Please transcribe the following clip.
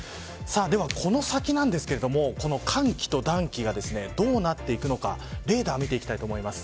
では、この先なんですけれども寒気と暖気がどうなっていくのかレーダーを見ていきたいと思います。